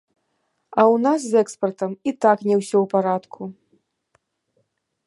А ў нас з экспартам і так не ўсё ў парадку.